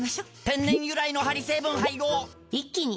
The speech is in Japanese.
天然由来のハリ成分配合一気に！